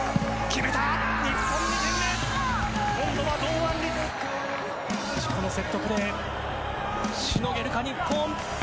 メキシコのセットプレー、しのげるか日本。